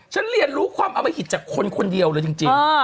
เรียนรู้ความอมหิตจากคนคนเดียวเลยจริง